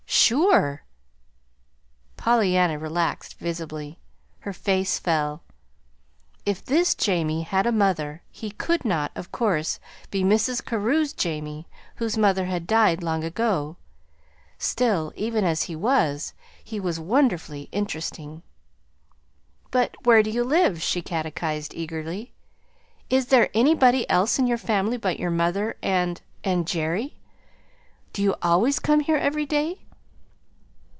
"Sure!" Pollyanna relaxed visibly. Her face fell. If this Jamie had a mother, he could not, of course, be Mrs. Carew's Jamie, whose mother had died long ago. Still, even as he was, he was wonderfully interesting. "But where do you live?" she catechized eagerly. "Is there anybody else in your family but your mother and and Jerry? Do you always come here every day?